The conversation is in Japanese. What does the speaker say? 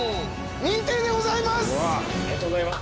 認定でございます！